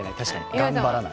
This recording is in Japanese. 頑張らない。